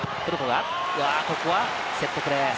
ここはセットプレー。